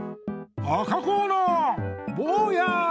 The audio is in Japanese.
赤コーナーぼうや！